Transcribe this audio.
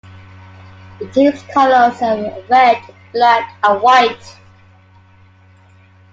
The team's colors are red, black and white.